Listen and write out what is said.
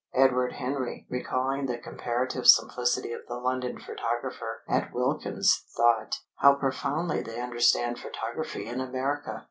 (Edward Henry, recalling the comparative simplicity of the London photographer at Wilkins's, thought: "How profoundly they understand photography in America!")